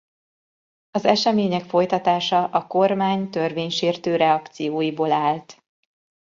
Az események folytatása a kormány törvénysértő reakcióiból állt.